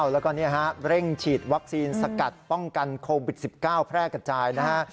แล้วก็เร่งฉีดวัคซีนสกัดป้องกันโควิด๑๙แพร่กระจายนะฮะ